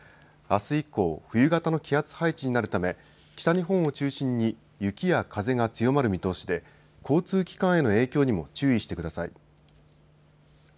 あす以降冬型の気圧配置になるため北日本を中心に雪や風が強まる見通しで交通機関への影響にも注意してください。